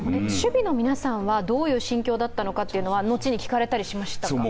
守備の皆さんはどういう心境だったのかっていうのは後に聞かれたりしましたか？